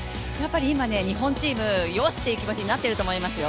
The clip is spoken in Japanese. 今、日本チーム、よしっていう気持ちになっていると思いますよ。